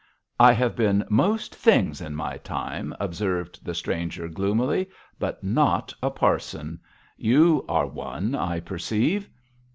'I have been most things in my time,' observed the stranger, gloomily, 'but not a parson. You are one, I perceive.'